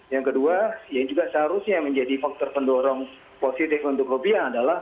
yang kedua yang juga seharusnya menjadi faktor pendorong positif untuk rupiah adalah